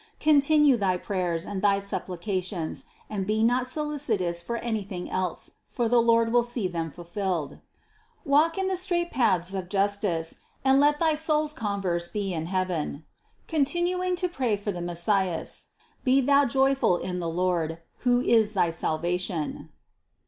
Continue thy prayers and thy supplica tions and be not solicitous for anything else, for the Lord will see them fulfilled. Walk in the straight paths THE CONCEPTION 145 of justice and let thy soul's converse be in heaven. Continuing to pray for the Messias, be thou joyful in the Lord, who is thy salvation."